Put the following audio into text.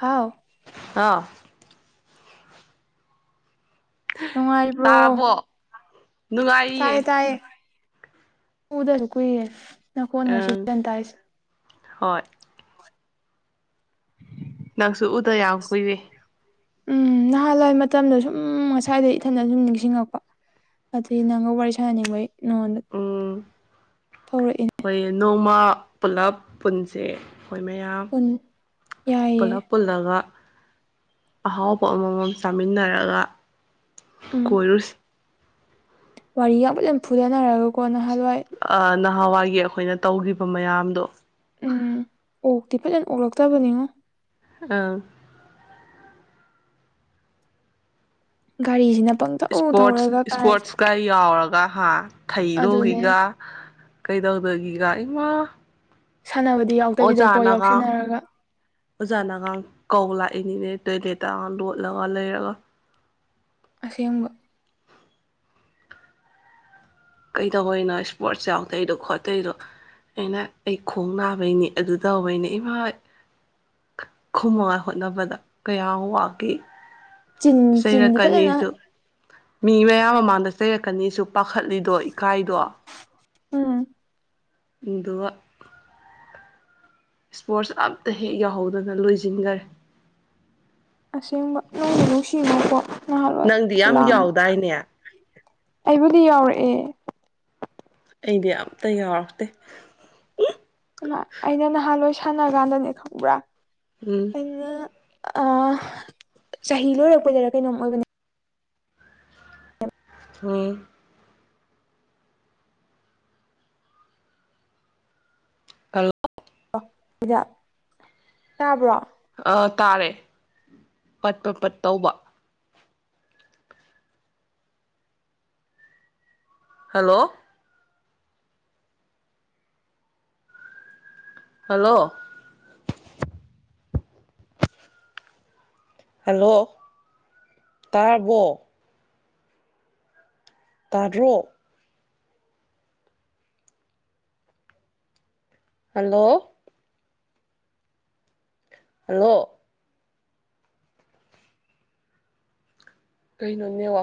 ꯍꯥꯎ ꯍꯥ ꯅꯨꯡꯉꯥꯏꯕ꯭ꯔꯣ ꯇꯥꯔꯕꯣ ꯇꯥꯏꯌꯦ ꯅꯨꯡꯉꯥꯏꯔꯤꯌꯦ ꯇꯥꯏꯌꯦ ꯎꯗꯔꯁꯨ ꯀꯨꯏꯌꯦ ꯅꯪ ꯈꯣꯜ ꯉꯁꯤ ꯑꯪ ꯇꯥꯏꯁꯦ ꯍꯣꯏ ꯅꯪꯁꯨ ꯎꯗ ꯌꯥꯝ ꯀꯨꯏꯔꯦ ꯎꯝ ꯅꯍꯥꯟꯋꯥꯏ ꯃꯇꯝꯗꯨ ꯁꯨꯝ ꯉꯁꯥꯏꯗꯩ ꯏꯊꯟꯇꯥ ꯁꯨꯝ ꯅꯤꯡꯁꯤꯡꯉꯛꯄꯥ ꯑꯗꯩ ꯅꯪꯒ ꯋꯥꯔꯤ ꯁꯥꯟꯅꯤꯡꯕꯩ ꯅꯉꯣꯟꯗ ꯊꯧꯔꯛꯏꯅ‌ꯦ ꯑꯩꯈꯣꯏ ꯅꯣꯡꯃ ꯄꯨꯂꯞ ꯄꯨꯟꯁꯦ ꯑꯩꯈꯣꯏ ꯃꯌꯥꯝ ꯎꯟ ꯌꯥꯏꯌꯦ ꯄꯨꯂꯞ ꯄꯨꯜꯂꯒ ꯑꯍꯥꯎꯕ ꯑꯃꯃꯝ ꯆꯥꯃꯤꯟꯅꯔꯒ ꯀꫭꯏꯔꯨꯁꯤ ꯋꯥꯔꯤ ꯌꯥꯝ ꯄꯨꯖꯅ ꯐꯨꯗꯅꯔꯒꯀꯣ ꯅꯍꯥꯟꯋꯥꯏ ꯑꯥ ꯅꯍꯥꯟꯋꯥꯏꯒꯤ ꯑꯩꯈꯣꯏꯅ ꯇꯧꯈꯤꯕ ꯃꯌꯥꯝꯗꯣ ꯎꯝ ꯑꯣꯛꯇꯤ ꯐꯖꯅ ꯑꯣꯛꯂꯛꯇꯕꯅꯤꯉꯣ ꯑꯥ ꯒꯥꯔꯤꯁꯤꯅ ꯄꯪ ꯊꯧ ꯊꯧꯔꯒ ꯀꯥꯏꯗ ꯀꯥꯏ ꯌꯥꯎꯔꯒ ꯍꯥ ꯑꯗꯨꯅꯦ ꯊꯩꯗꯧꯒꯤꯒ ꯀꯩꯗꯧꯗꯣꯏꯒꯤꯒ ꯏꯃꯥ ꯁꯥꯟꯅꯕꯗꯤ ꯌꯥꯎꯗꯕꯤꯗꯀꯣ ꯌꯥꯎꯁꯟꯅꯔꯒꯥ ꯑꯣꯖꯥꯅꯒꯥꯡ ꯀꯧ ꯂꯥꯛꯏꯅꯤꯅꯦ ꯇꯣꯏꯂꯦꯠꯇꯒ ꯂꯣꯠꯂꯒ ꯂꯩꯔꯒ ꯑꯁꯦꯡꯕꯥ ꯀꯩꯗꯧꯕꯩꯅꯣ ꯏꯁꯄꯣꯔꯠꯁ ꯌꯥꯎꯗꯩꯗꯣ ꯈꯣꯠꯇꯩꯗꯣ ꯑꯩꯅ ꯑꯩ ꯈꯣꯡ ꯅꯥꯕꯩꯅꯦ ꯑꯗꯨ ꯇꯧꯕꯩꯅꯦ ꯏꯃꯥꯏ ꯈꯨꯝꯅꯉꯥꯏ ꯍꯣꯠꯅꯕꯗ ꯀꯌꯥꯝ ꯋꯥꯒꯤ ꯆꯤꯟ ꯆꯤꯟꯗꯤ ꯐꯖꯅ ꯆꯩꯔꯛꯀꯅꯤꯁꯨ ꯃꯤ ꯃꯌꯥꯝ ꯃꯃꯥꯡꯗ ꯆꯩꯔꯛꯀꯅꯤꯁꯨ ꯄꯥꯈꯠꯂꯤꯗꯣ ꯏꯀꯥꯏꯗꯣ ꯎꯝ ꯑꯗꯨꯒ ꯏꯁꯄꯣꯔꯠꯁ ꯑꯝꯇꯥ ꯍꯦꯛ ꯌꯥꯎꯍꯧꯗꯅ ꯂꯣꯏꯁꯤꯟꯈꯔꯦ ꯑꯁꯦꯡꯕ ꯅꯨꯡꯗꯤ ꯅꯨꯡꯁꯤꯕꯀꫭ ꯅꯍꯥꯟꯜꯋꯥꯏ ꯅꯪꯗꯤ ꯌꯥꯝ ꯂꯥꯡꯕ ꯌꯥꯎꯗꯥꯏꯅꯦ ꯑꯩꯕꯨꯗꯤ ꯌꯥꯎꯔꯛꯑꯦ ꯑꯩꯗꯤ ꯑꯝꯇꯥ ꯌꯥꯎꯔꯛꯇꯦ [unintelligible] ꯑꯩꯅ ꯅꯍꯥꯟ ꯋꯥꯏ ꯁꯥꯟꯅ ꯀꯥꯟꯗꯅꯦ ꯈꯪꯕ꯭ꯔꯥ ꯎꯝ ꯑꯥ ꯆꯍꯤ ꯂꫭꯏꯔꯛꯄꯩꯗꯔꯥ ꯀꯩꯅꫭꯝ ꯑꫭꯏꯕꯅ‌ꯦ ꯎꯝ ꯍꯜꯂꯣ ꯍꯤꯗ [unintelligible] ꯇꯥꯕ꯭ꯔꯣ ꯑꯥ ꯇꯥꯔꯦ ꯄꯠ ꯄꯠ ꯄꯠ ꯇꯧꯕ ꯍꯜꯂꯣ ꯍꯜꯂꯣ ꯍꯜꯂꯣ ꯇꯥꯔꯕꯣ ꯇꯥꯗ꯭ꯔꯣ ꯍꯜꯂꯣ ꯍꯜꯂꯣ ꯀꯩꯩꯅꯣ ꯅꯦꯠ ꯋꯥꯛ